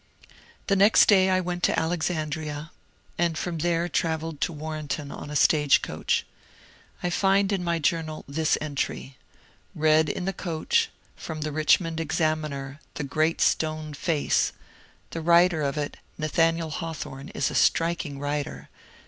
The next day I went to Alexandria, and from there trav elled to Warrenton on a stage coach. I find in my journal this entry :*' Read in the coach, from the Richmond Exam iner, * The Great Stone Face,' — the writer of it, Nathaniel Hawthorne, is a striking writer.